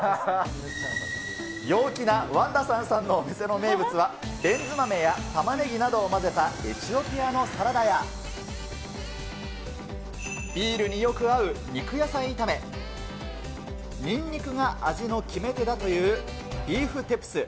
陽気なワンダサンさんのお店の名物は、レンズ豆や玉ねぎなどを混ぜたエチオピアのサラダや、ビールによく合う肉野菜炒め、ニンニクが味の決め手だというビーフテプス。